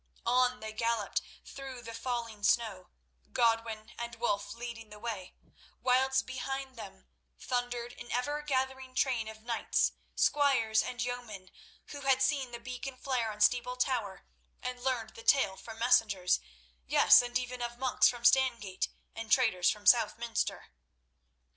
On they galloped through the falling snow, Godwin and Wulf leading the way, whilst behind them thundered an ever gathering train of knights, squires and yeomen, who had seen the beacon flare on Steeple tower, or learned the tale from messengers—yes, and even of monks from Stangate and traders from Southminster.